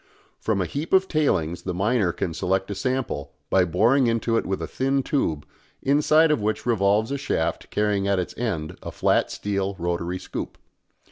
From a heap of tailings the miner can select a sample, by boring into it with a thin tube, inside of which revolves a shaft carrying at its end a flat steel rotary scoop.